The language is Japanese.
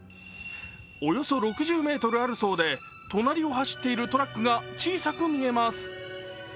およそ６０ｍあるそうで、隣を走っているトラックが小さく見えます。